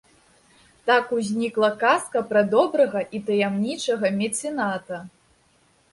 Так узнікла казка пра добрага і таямнічага мецэната.